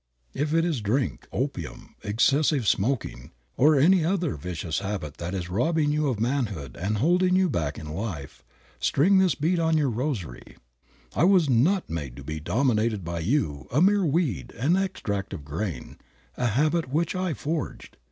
If it is drink, opium, excessive smoking, or any other vicious habit that is robbing you of manhood and holding you back in life, string this bead on your rosary, "I was not made to be dominated by you, a mere weed, an extract of grain, a habit which I forged.